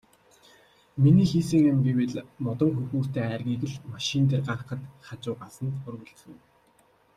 Миний хийсэн юм гэвэл модон хөхүүртэй айргийг л машин дээр гаргахад хажуугаас нь өргөлцөв.